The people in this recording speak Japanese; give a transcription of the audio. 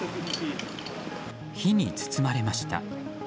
火に包まれました。